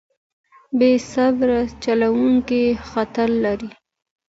بې صبره چلوونکی خطر لري.